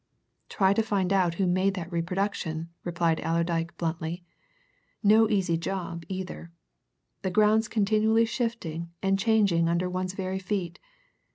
"Try to find out who made that reproduction," replied Allerdyke bluntly. "No easy job, either! The ground's continually shifting and changing under one's very feet.